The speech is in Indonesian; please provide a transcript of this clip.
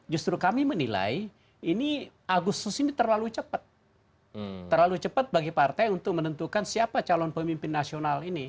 justru kami menilai ini agustus ini terlalu cepat terlalu cepat bagi partai untuk menentukan siapa calon pemimpin nasional ini